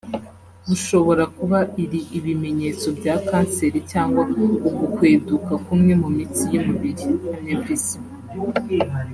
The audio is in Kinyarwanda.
bushobora kuba iri ibimenyetso bya canser cyangwa ugukweduka k’umwe mu minsi y”umubiri (anevrisme)